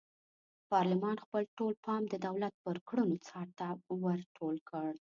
پارلمان خپل ټول پام د دولت پر کړنو څار ته ور ټول کړ.